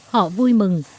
họ vui mừng